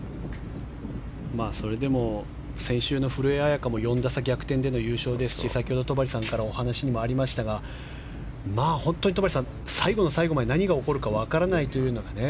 それでも先週の古江彩佳も４打差逆転での優勝ですし先ほど戸張さんからお話にもありましたが本当に、最後の最後まで何が起こるか分からないというのがね。